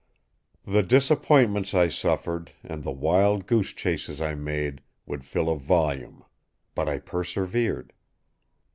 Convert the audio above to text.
"The disappointments I suffered, and the wild goose chases I made, would fill a volume; but I persevered.